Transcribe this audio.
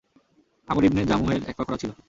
আমর ibn Jamuh এর এক পা খোড়া ছিল।